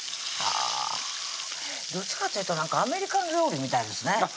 どっちかっていうとなんかアメリカの料理みたいですね